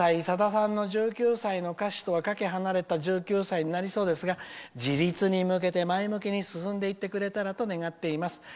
さださんの「１９才」の歌詞とはかけ離れた１９歳になりそうですが自立に向けて前向きに進んでいってくれたらと願っています。